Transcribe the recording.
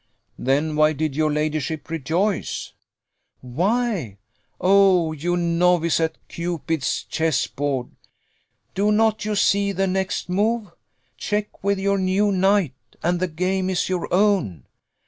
"Then why did your ladyship rejoice?" "Why? Oh, you novice at Cupid's chess board! do not you see the next move? Check with your new knight, and the game is your own.